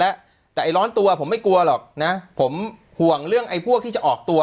แล้วแต่ไอ้ร้อนตัวผมไม่กลัวหรอกนะผมห่วงเรื่องไอ้พวกที่จะออกตัว